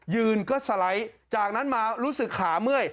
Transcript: ยืนก็สไลด์จากนั้นมารู้สึกขาเมื่อย